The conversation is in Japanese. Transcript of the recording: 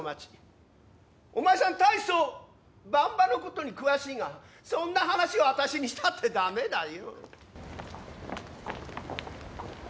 大層番場のことに詳しいがそんな話を私にしたってダメだよ。